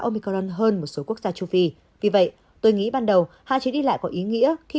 omicron hơn một số quốc gia châu phi vì vậy tôi nghĩ ban đầu hạn chế đi lại có ý nghĩa khi